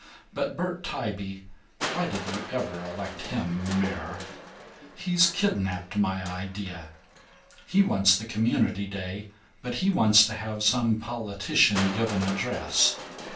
But Bert Tybee (why did you ever elect him mayor?) he's kidnapped my idea. He wants the Community Day, but he wants to have some politician 'give an address.'